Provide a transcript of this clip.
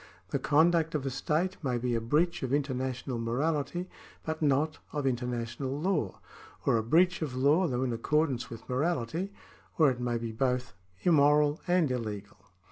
The conduct of a state may be a breach of international morality but not of international law, or a breach of law though in accordance with morality, or it may be both immoral and illegal.